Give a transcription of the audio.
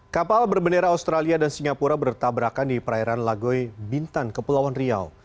kapal berbendera australia dan singapura bertabrakan di perairan lagoy bintan kepulauan riau